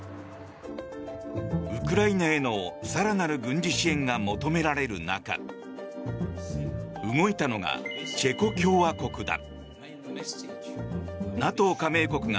ウクライナへの更なる軍事支援が求められる中動いたのがチェコ共和国だ。